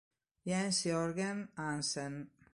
Jens Jørgen Hansen